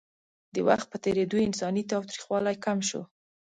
د وخت په تېرېدو انساني تاوتریخوالی کم شو.